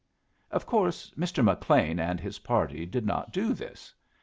Of course Mr. McLean and his party did not do this.